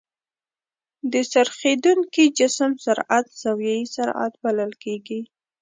د څرخېدونکي جسم سرعت زاويي سرعت بلل کېږي.